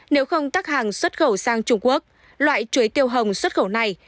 nếu không tách hàng xuất khẩu sang trung quốc loại chuối tiêu hồng xuất khẩu này